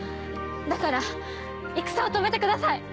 だから戦を止めてください！